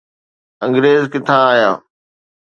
انگريز ڪٿان آيا؟